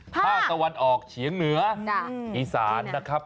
ภาคตะวันออกเฉียงเหนืออีสานนะครับ